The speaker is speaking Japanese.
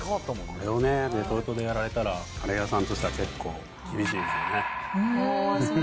これをね、レトルトでやられたらカレー屋さんとしては結構厳しいですよね。